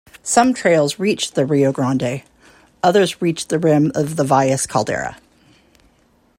Some trails reach the Rio Grande; others reach the rim of the Valles Caldera.